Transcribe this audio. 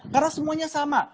karena semuanya sama